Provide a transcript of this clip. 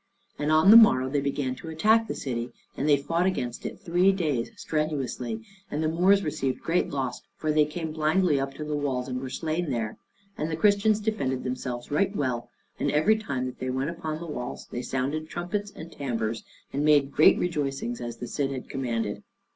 And on the morrow they began to attack the city, and they fought against it three days strenuously; and the Moors received great loss, for they came blindly up to the walls and were slain there. And the Christians defended themselves right well; and every time that they went upon the walls, they sounded trumpets and tambours, and made great rejoicings, as the Cid had commanded.